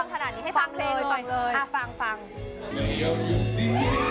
รักไม่ควรคอยจะทำแบบนี้